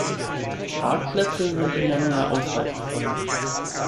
Parkplätze sind in der Nähe ausreichend vorhanden.